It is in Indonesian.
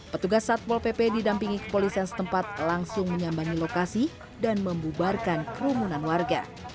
petugas satpol pp didampingi kepolisian setempat langsung menyambangi lokasi dan membubarkan kerumunan warga